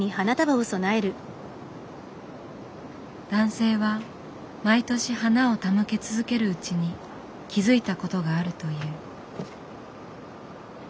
男性は毎年花を手向け続けるうちに気付いたことがあるという。